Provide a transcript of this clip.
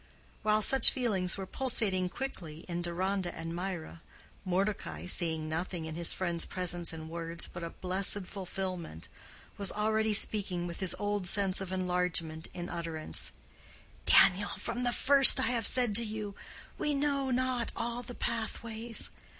While such feelings were pulsating quickly in Deronda and Mirah, Mordecai, seeing nothing in his friend's presence and words but a blessed fulfillment, was already speaking with his old sense of enlargement in utterance, "Daniel, from the first, I have said to you, we know not all the pathways.